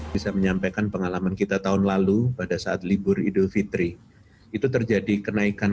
bisa menyampaikan pengalaman kita tahun lalu pada saat libur idul fitri itu terjadi kenaikan